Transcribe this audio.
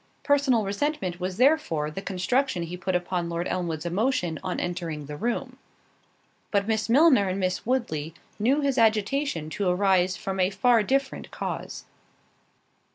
Personal resentment was therefore the construction he put upon Lord Elmwood's emotion on entering the room; but Miss Milner and Miss Woodley knew his agitation to arise from a far different cause.